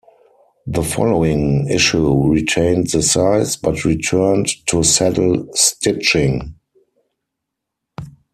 The following issue retained the size, but returned to saddle-stitching.